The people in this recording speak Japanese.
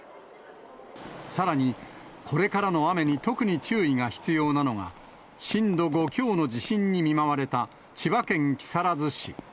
さらに、これからの雨に特に注意が必要なのが、震度５強の地震に見舞われた千葉県木更津市。